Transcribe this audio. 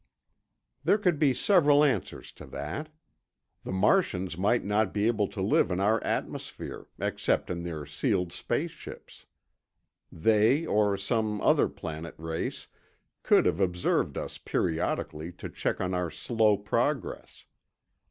There could be several answers to that. The Martians might not be able to live in our atmosphere, except in their sealed space ships. They, or some other planet race, could have observed us periodically to check on our slow progress.